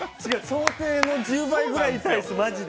想定の１０倍ぐらい痛いです、マジで。